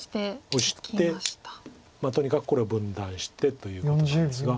オシてとにかくこれを分断してということなんですが。